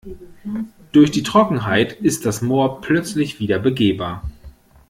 Durch die Trockenheit ist das Moor plötzlich wieder begehbar.